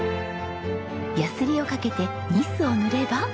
ヤスリをかけてニスを塗れば？